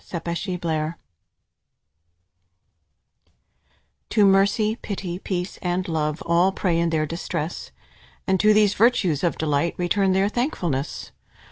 THE DIVINE IMAGE To Mercy, Pity, Peace, and Love, All pray in their distress, And to these virtues of delight Return their thankfulness.